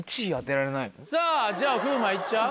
さぁじゃあ風磨いっちゃう？